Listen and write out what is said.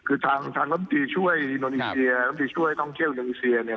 คือทางร้ำตีช่วยนอนีเซียร้ำตีช่วยท่องเที่ยวนอนีเซีย